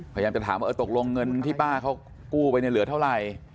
พยายามจะถามว่าเออตกลงเงินที่ป้าเขากู้ไปเนี่ยเหลือเท่าไหร่